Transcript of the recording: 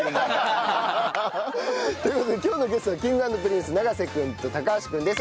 という事で今日のゲストはＫｉｎｇ＆Ｐｒｉｎｃｅ永瀬君と橋君です。